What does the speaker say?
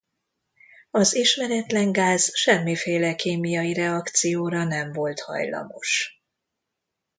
Az ismeretlen gáz semmiféle kémiai reakcióra nem volt hajlamos.